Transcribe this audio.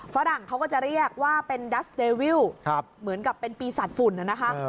ฝรั่งเขาก็จะเรียกว่าเป็นดัสเดวิลเหมือนกับเป็นปีศาจฝุ่นนะคะ